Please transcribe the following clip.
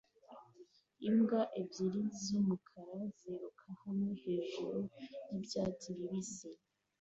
Imbwa ebyiri zumukara ziruka hamwe hejuru yibyatsi bibisi